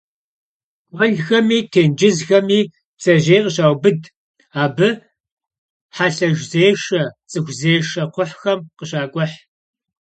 Guelxemi têncızxemi bdzejêy khışaubıd, abı helhezêşşe, ts'ıxuzêşşe kxhuhxem khışak'uh.